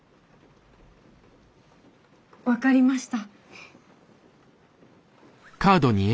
分かりました。